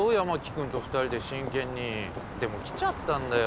君と二人で真剣にでも来ちゃったんだよ